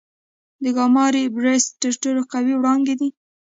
د ګاما رې برسټ تر ټولو قوي وړانګې دي.